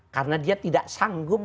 karena dia tidak sanggup